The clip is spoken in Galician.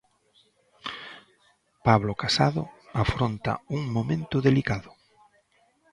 Pablo Casado afronta un momento delicado.